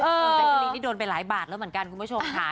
ในใจกรีทำมีโดดไปหลายบาทแล้วเหมือนกันคุณผู้ชมค่ะ